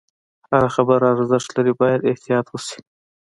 هره خبره ارزښت لري، باید احتیاط وشي.